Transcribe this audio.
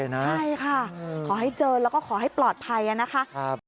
ใช่ค่ะขอให้เจอแล้วก็ขอให้ปลอดภัยนะคะ